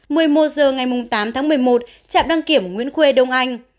một mươi một giờ ngày tám tháng một mươi một chạm đăng kiểm nguyễn khuê đông anh